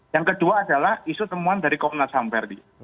yang kedua adalah isu temuan dari komnas samferdi